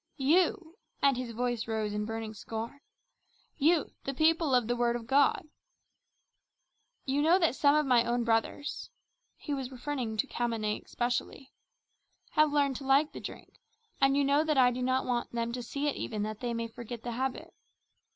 You," and his voice rose in burning scorn, "you, the people of the word of God! You know that some of my own brothers" he was referring to Khamane especially "have learned to like the drink, and you know that I do not want them to see it even, that they may forget the habit.